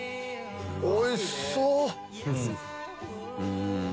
おいしそう！